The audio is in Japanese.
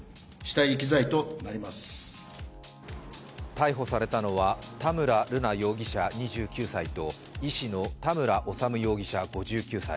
逮捕されたのは田村瑠奈容疑者、２９歳と医師の田村修容疑者５９歳。